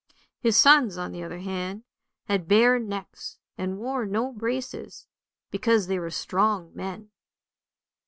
His sons, on the other hand, had bare necks and wore no braces, because they were strong men.